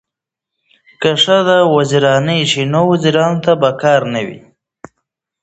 که ښځې وزیرانې شي نو وزارتونه به بې کاره نه وي.